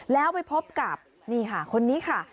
แล้วไปพบกับคนนี้ค่ะ